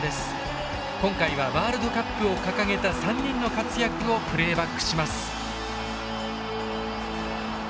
今回はワールドカップを掲げた３人の活躍をプレーバックします。